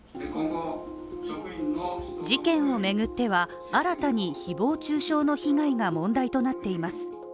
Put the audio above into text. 事件を巡っては、新たに誹謗中傷の被害が問題となっています